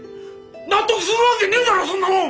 納得するわけねえだろそんなもん！